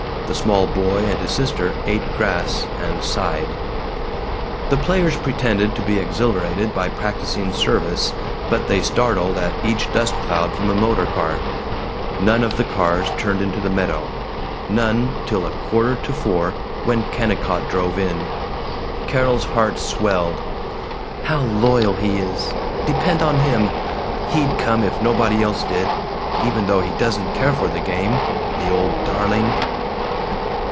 The small boy and his sister ate grass and sighed. The players pretended to be exhilarated by practising service, but they startled at each dust cloud from a motor car. None of the cars turned into the meadow none till a quarter to four, when Kennicott drove in. Carol's heart swelled. "How loyal he is! Depend on him! He'd come, if nobody else did. Even though he doesn't care for the game. The old darling!"